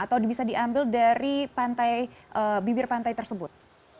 atau bisa diambil dari bibir pantai tersebut